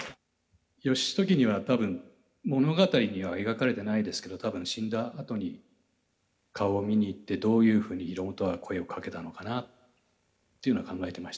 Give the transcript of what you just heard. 「義時には多分物語には描かれてないですけど多分死んだあとに顔を見に行ってどういうふうに広元は声をかけたのかなっていうのは考えてましたね。